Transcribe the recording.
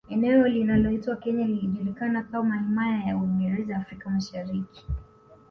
Eneo linaloitwa Kenya lilijulikana kama Himaya ya Uingereza ya Afrika Mashariki